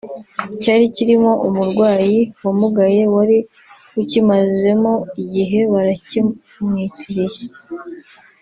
cyari kirimo umurwayi wamugaye wari ukimazemo igihe baracyimwitiriye